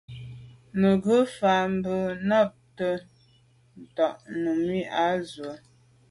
Nùgà fə̀ mfá bɔ̀ mə̀mbâ ntɔ́n Nùmí á sʉ́ á’.